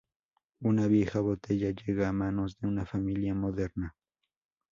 Una vieja botella llega a manos de una familia moderna.